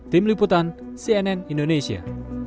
tim liputan cnn indonesia